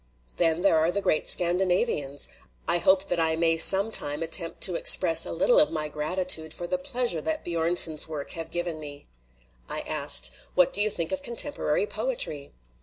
"Then there are the great Scandinavians. I hope that I may some time attempt to express a little of my gratitude for the pleasure that B join son's works have given me." I asked, "What do you think of contemporary poetry?"